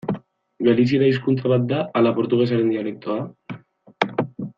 Galiziera hizkuntza bat da ala portugesaren dialektoa?